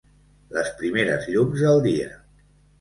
Les primeres llums del dia.